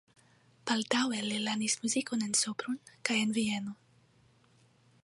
Baldaŭe li lernis muzikon en Sopron kaj en Vieno.